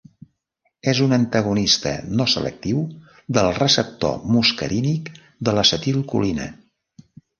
És un antagonista no selectiu del receptor muscarínic de l'acetilcolina.